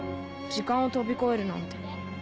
時間を飛び越えるなんて